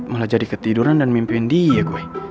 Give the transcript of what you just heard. malah jadi ketiduran dan mimpin dia gue